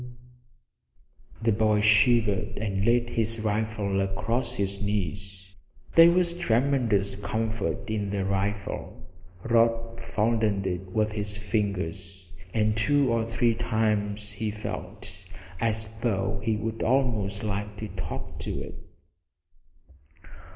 The boy shivered and laid his rifle across his knees. There was tremendous comfort in the rifle. Rod fondled it with his fingers, and two or three times he felt as though he would almost like to talk to it.